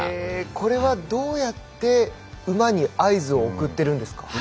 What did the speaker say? これは、どうやって馬に合図を送っているんですか？